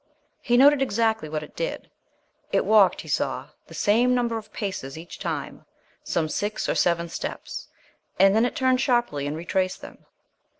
He noted exactly what it did: it walked, he saw, the same number of paces each time, some six or seven steps, and then it turned sharply and retraced them.